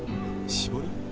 絞り？